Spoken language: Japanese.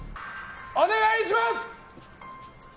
お願いします！